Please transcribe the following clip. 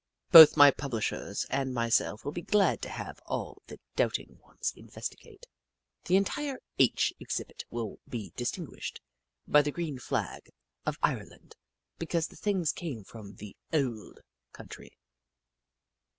Both my publishers and myself will be glad to have all the doubt ing ones investigate. The entire " H " exhibit will be distinguished by the green flag of Ire 2 1 8 The Book of Clever Beasts land, because the things came from the "ovvld " country.